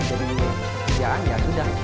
jadi dunia kerjaan ya sudah